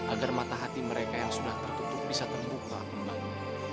agar mata hati mereka yang sudah tertutup bisa terbuka membangun